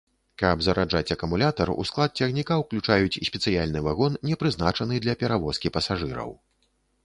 Каб зараджаць акумулятар, у склад цягніка ўключаюць спецыяльны вагон, не прызначаны для перавозкі пасажыраў.